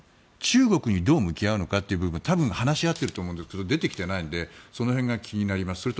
中国にどう向き合うのかという部分多分、話し合っていると思うんですが、出てこないのでその辺が気になります。